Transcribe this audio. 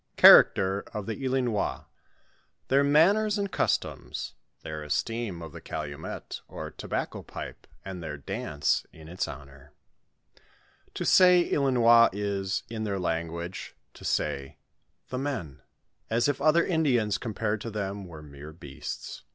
CHASACTER OF THE ILINOia.~THEm MAlfNESa JlfD OVaTOMa.— THEIR ES TEEM OF TBE OALUMET, OB TOBACCO PIPE, AND THEOt VANCE IIT ITS BOSOB. To say Ilinois is. In their language, to say " the men," as if other Indians compared to them were mere beasts.